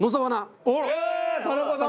田中さんだ！